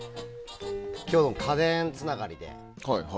今日、家電つながりで。